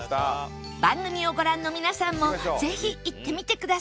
番組をご覧の皆さんもぜひ行ってみてください